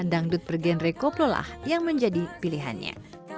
dangdut bergenre koplo lah yang menjadi pilihannya